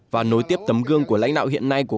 và nối tiếp tấm gương của lãnh đạo hiện nay của